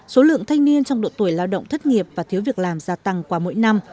số lượng thanh niên trong độ tuổi lao động thất nghiệp và thiếu việc làm gia tăng qua mỗi năm